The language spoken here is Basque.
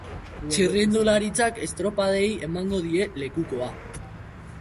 Txirrindularitzak estropadei emango die lekukoa.